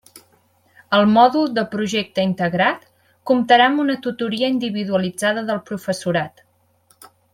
El mòdul de Projecte Integrat comptarà amb una tutoria individualitzada del professorat.